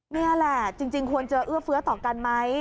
นี่แหละจริงควรจะเอื้อเฟื้อต่อกันไหม